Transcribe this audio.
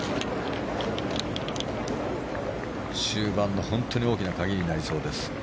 終盤の本当に大きな鍵になりそうです。